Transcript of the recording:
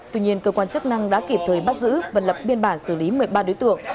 tuy nhiên cơ quan chức năng đã kịp thời bắt giữ và lập biên bản xử lý một mươi ba đối tượng